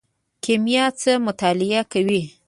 کیمیا څه مطالعه کوي؟